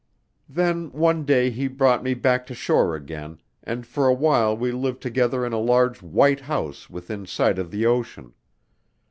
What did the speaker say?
"Then one day he brought me back to shore again, and for a while we lived together in a large white house within sight of the ocean.